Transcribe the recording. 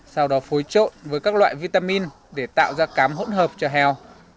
sau đó phối trộn với các loại vitamin để tạo ra cám hỗn hợp cho heo